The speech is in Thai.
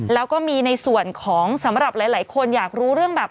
แล้วก็มีในส่วนของสำหรับหลายคนอยากรู้เรื่องแบบ